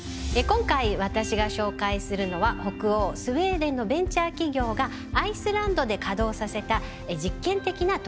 今回私が紹介するのは北欧スウェーデンのベンチャー企業がアイスランドで稼働させた実験的な取り組みです。